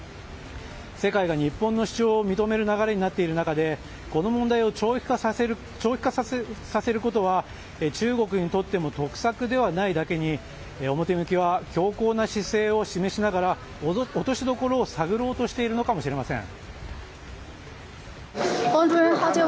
世界が日本の主張を認める流れになっている中でこの問題を長期化させることは中国にとっても得策ではないだけに表向きは強硬な姿勢を示しながら落としどころを探ろうとしているのかもしれません。